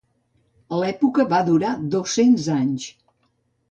L'època va durar dos-cents anys.